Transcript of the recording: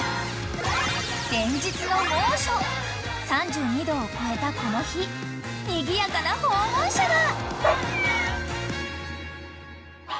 ［連日の猛暑３２度を超えたこの日にぎやかな訪問者が！］